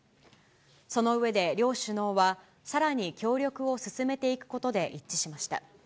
その上で両首脳は、さらに協力を進めていくことで一致しました。